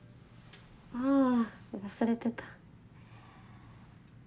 あぁ忘れてた。